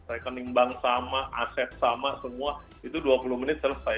rekening bank sama aset sama semua itu dua puluh menit selesai